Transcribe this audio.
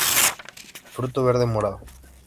Fruto verde morado.